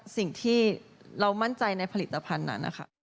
สิ่งที่เรามั่นใจในผลิตภัณฑ์นั้นนะคะ